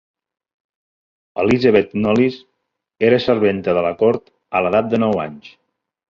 Elizabeth Knollys era serventa de la cort a l'edat de nou anys.